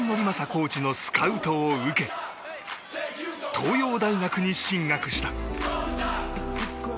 コーチのスカウトを受け東洋大学に進学した。